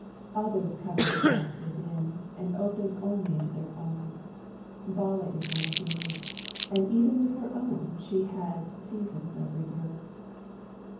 Others cover the depths within, and open only to their own. Bala is one of these; and even with her own she has seasons of reserve.